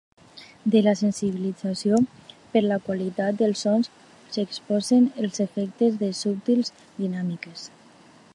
De la sensibilització per a la qualitat dels sons s'exposen els efectes de subtils dinàmiques.